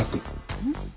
うん？